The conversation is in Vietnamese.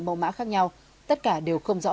mẫu mã khác nhau tất cả đều không rõ